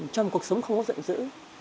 trong cuộc sống không có giận dữ